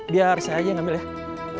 biar saya aja ngambil ya